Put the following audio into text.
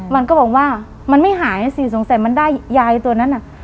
มันก็บอกว่ามันไม่หายสิสงสัยมันได้ยายตัวนั้นน่ะ